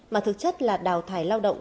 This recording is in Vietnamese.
mà thực chất là đào thải lao động